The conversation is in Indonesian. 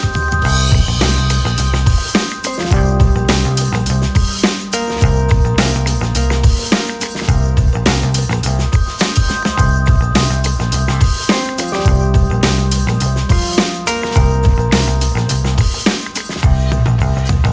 terus keadaan istri saya gimana dong